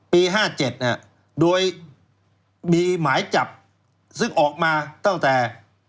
๕๗โดยมีหมายจับซึ่งออกมาตั้งแต่